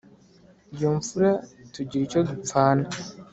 Iyo mfura tugira icyo dupfana